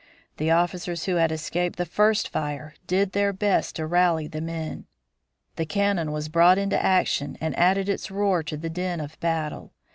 The officers who had escaped the first fire did their best to rally the men. The cannon was brought into action and added its roar to the din of battle.